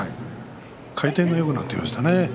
回転がよくなっていましたね。